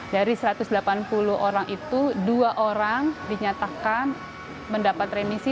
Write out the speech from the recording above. dari satu ratus delapan puluh orang itu dua orang dinyatakan mendapat remisi